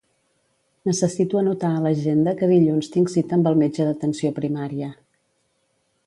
Necessito anotar a l'agenda que dilluns tinc cita amb el metge d'atenció primària.